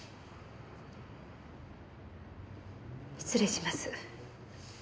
失礼します。